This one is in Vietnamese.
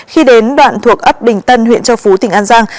khi đến đoạn thuộc ấp bình tân huyện châu phú tỉnh an giang